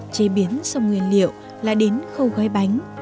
chế biến xong nguyên liệu là đến khâu gói bánh